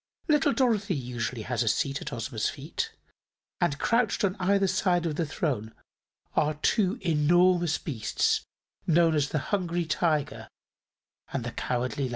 Little Dorothy usually has a seat at Ozma's feet, and crouched on either side the throne are two enormous beasts known as the Hungry Tiger and the Cowardly Lion.